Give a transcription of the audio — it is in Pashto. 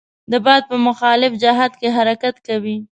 د باد په مخالف جهت کې حرکت کوي.